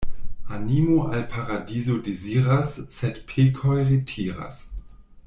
Animo al paradizo deziras, sed pekoj retiras.